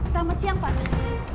selamat siang pak afif